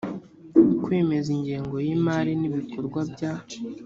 kwemeza ingengo y imari n ibikorwa bya